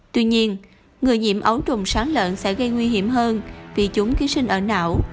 tuy nhiên người nhiễm ấu trùng sán lợn sẽ gây nguy hiểm hơn vì chúng ký sinh ở não